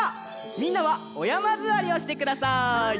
みんなはおやまずわりをしてください。